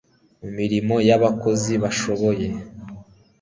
mu mirimo y'abakozi bashoboye